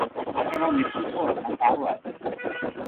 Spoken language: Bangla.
আপনার মার মৃত্যুর পর, না তারো আগে?